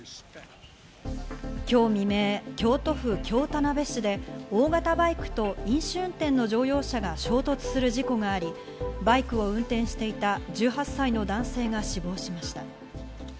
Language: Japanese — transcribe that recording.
今日未明、京都府京田辺市で大型バイクと飲酒運転の乗用車が衝突する事故があり、バイクを運転していた１８歳の男性が死亡しました。